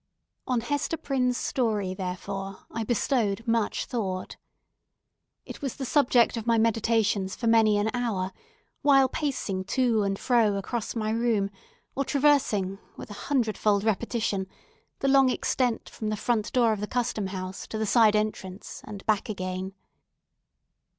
On Hester Prynne's story, therefore, I bestowed much thought. It was the subject of my meditations for many an hour, while pacing to and fro across my room, or traversing, with a hundredfold repetition, the long extent from the front door of the Custom House to the side entrance, and back again.